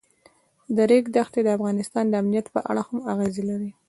د ریګ دښتې د افغانستان د امنیت په اړه هم اغېز لري.